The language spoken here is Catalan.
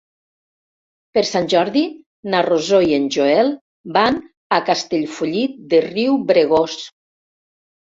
Per Sant Jordi na Rosó i en Joel van a Castellfollit de Riubregós.